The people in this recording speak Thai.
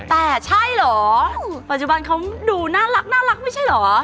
แต่ใช่เหรอปัจจุบันเขาดูน่ารักไม่ใช่เหรอ